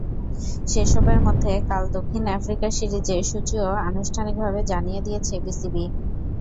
সেসবের মধ্যে কাল দক্ষিণ আফ্রিকা সিরিজের সূচিও আনুষ্ঠানিকভাবে জানিয়ে দিয়েছে বিসিবি।